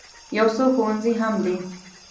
یو څو ښوونځي هم دي.